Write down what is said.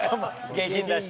下品だし。